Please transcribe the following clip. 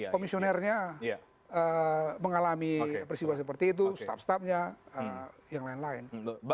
komisionernya mengalami peristiwa seperti itu staf stafnya yang lain lain